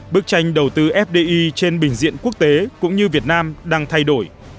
bức tranh đầu tư fdi trên bình diện quốc tế cũng như việt nam đang thay đổi